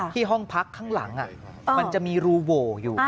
ห้องพักข้างหลังมันจะมีรูโหวอยู่